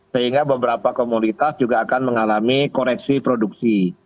sehingga beberapa komoditas juga akan mengalami koreksi produksi